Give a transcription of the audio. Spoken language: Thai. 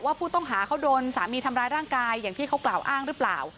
ผู้ต้องหาเขาโดนสามีทำร้ายร่างกายอย่างที่เขากล่าวอ้างหรือเปล่า